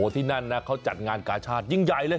ที่นั่นนะเขาจัดงานกาชาติยิ่งใหญ่เลย